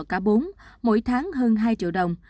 cả bốn mỗi tháng hơn hai triệu đồng